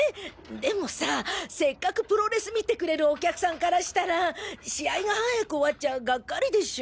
でもさせっかくプロレス見てくれるお客さんからしたら試合が早く終わっちゃガッカリでしょ。